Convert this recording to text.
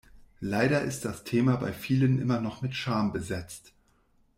Leider ist das Thema bei vielen immer noch mit Scham besetzt.